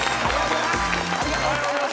ありがとうございます！